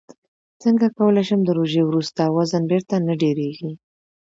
څنګه کولی شم د روژې وروسته وزن بېرته نه ډېرېږي